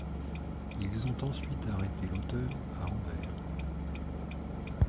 Ils ont ensuite arrêté l'auteur à Anvers.